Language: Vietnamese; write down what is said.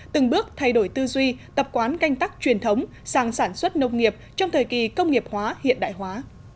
từng bước thay đổi tư duy tập quán canh tắc truyền thống sàng sản xuất nông nghiệp trong thời kỳ công nghiệp hóa hiện đại hóa